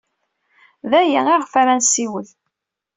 D aya ayɣef ara nessiwel.